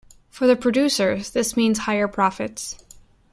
For the producers, this means higher profits.